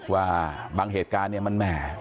ว่าบางเหตุการณ์มันแหม